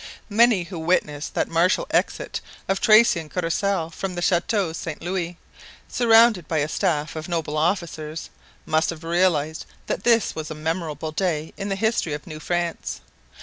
Many who witnessed that martial exit of Tracy and Courcelle from the Chateau Saint Louis, surrounded by a staff of noble officers, must have realized that this was a memorable day in the history of New France.